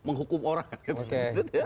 menghukum orang gitu